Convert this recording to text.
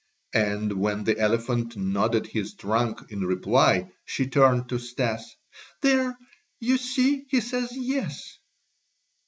And when the elephant nodded his trunk in reply she turned to Stas: "There, you see he says 'Yes.'"